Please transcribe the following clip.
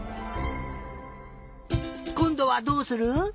こんどはどうする？